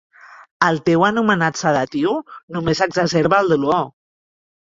El teu anomenat sedatiu només exacerba el dolor.